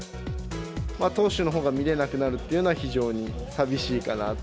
投手のほうが見れなくなるというのは非常に寂しいかなと。